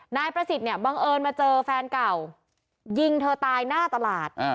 นายประสิทธิ์เนี่ยบังเอิญมาเจอแฟนเก่ายิงเธอตายหน้าตลาด